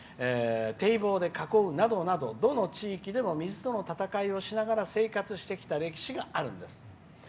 堤防で囲うなどどの地域でも水との戦いをしながら生活してきた歴史があるんです」。